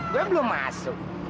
gua belum masuk